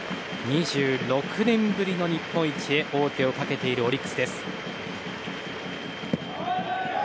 ２６年ぶりの日本一へ王手をかけているオリックスです。